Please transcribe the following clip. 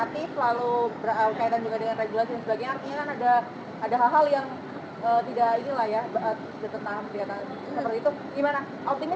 artinya kan ada hal hal yang